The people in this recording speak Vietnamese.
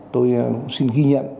tôi xin ghi nhận